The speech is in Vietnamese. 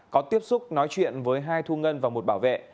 có tiếp xúc nói chuyện với hai thu ngân và một bảo vệ